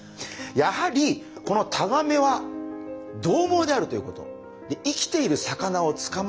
やはりこのタガメはどう猛であるということ。